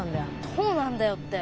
どうなんだよって。